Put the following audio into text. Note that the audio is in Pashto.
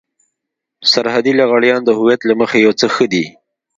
سرحدي لغړيان د هويت له مخې يو څه ښه دي.